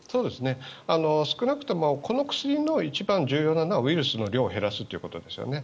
少なくともこの薬の一番重要なのはウイルスの量を減らすということですよね。